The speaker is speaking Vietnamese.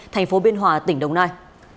tp biên hòa tỉnh đồng nai